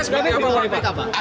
tindakannya seperti apa pak